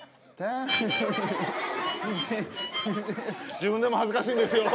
自分でも恥ずかしいんですよ。